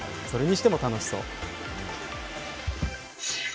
それにしても楽しそう。